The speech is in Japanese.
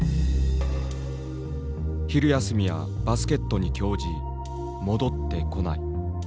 昼休みはバスケットに興じ戻ってこない。